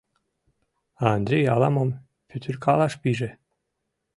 Андрий ала-мом пӱтыркалаш пиже.